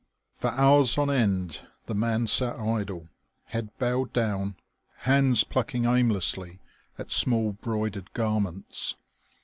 For hours on end the man sat idle, head bowed down, hands plucking aimlessly at small broidered garments.